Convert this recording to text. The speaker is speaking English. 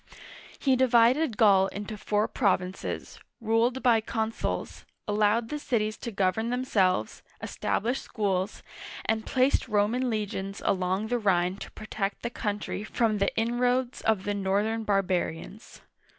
He divided Gaul into four provinces, ruled by consuls, allowed the cities to govern themselves, established schools, and placed Roman legions along the Rhine to protect the country from the inroads of the northern barbarians.